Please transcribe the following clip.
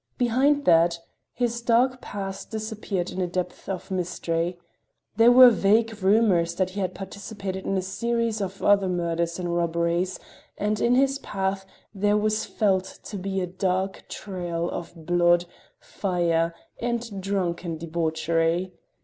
Behind that, his dark past disappeared in a depth of mystery. There were vague rumors that he had participated in a series of other murders and robberies, and in his path there was felt to be a dark trail of blood, fire, and drunken debauchery.